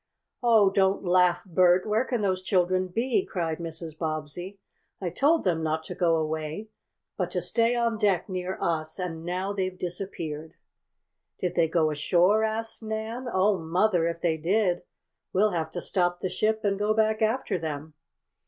"Oh, don't laugh, Bert! Where can those children be?" cried Mrs. Bobbsey. "I told them not to go away, but to stay on deck near us, and now they've disappeared!" "Did they go ashore?" asked Nan. "Oh, Mother! if they did we'll have to stop the ship and go back after them!"